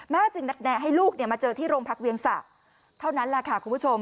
จึงนัดแนะให้ลูกมาเจอที่โรงพักเวียงสะเท่านั้นแหละค่ะคุณผู้ชม